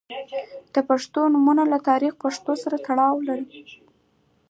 • د پښتو نومونه له تاریخي پیښو سره تړاو لري.